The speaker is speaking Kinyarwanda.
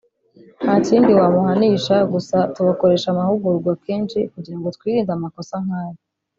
nta kindi wamuhanisha gusa tubakoresha amahugurwa kenshi kugira ngo twirinde amakosa nk’ayo